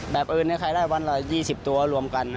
อื่นขายได้วันละ๒๐ตัวรวมกัน